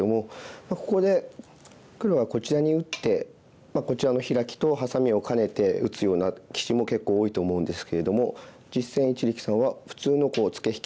ここで黒がこちらに打ってこちらのヒラキとハサミを兼ねて打つような棋士も結構多いと思うんですけれども実戦一力さんは普通のツケ引き定石を選びました。